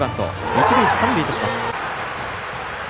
一塁三塁とします。